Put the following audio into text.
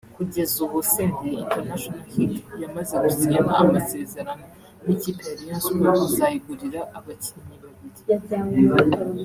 Kugeza ubu Senderi International Hit yamaze gusinyana amasezerano n’ikipe ya Rayon Sport kuzayigurira abakinnyi babiri